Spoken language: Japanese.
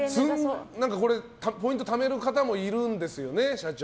これ、すごくポイントをためる方もいるんですよね。